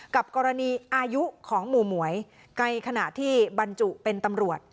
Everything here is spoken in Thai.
กับกรณีอายุของหมู่หมวยในขณะที่บรรจุเป็นตำรวจ